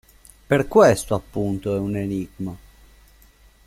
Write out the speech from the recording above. Per questo, appunto, è un enigma!